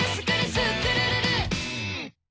スクるるる！」